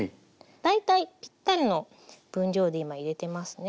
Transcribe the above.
大体ぴったりの分量で今入れてますね。